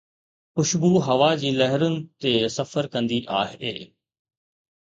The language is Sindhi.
خوشبو هوا جي لهرن تي سفر ڪندي آهي.